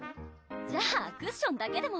じゃあクッションだけでも！